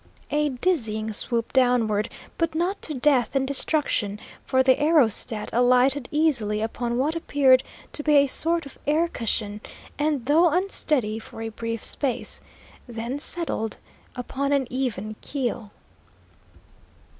A dizzying swoop downward, but not to death and destruction, for the aerostat alighted easily upon what appeared to be a sort of air cushion, and, though unsteady for a brief space, then settled upon an even keel.